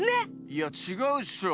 いやちがうっしょ。